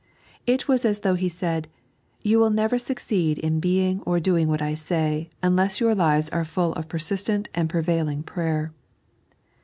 It was as though He said :" You will never succeed in being or doing what I say, unless your lives are full of persistent and prevailing prayer."